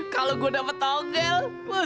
kalau gue dapat tokel